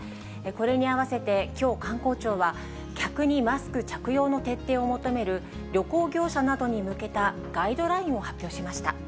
これに合わせてきょう、観光庁は、客にマスク着用の徹底を求める、旅行業者などに向けたガイドラインを発表しました。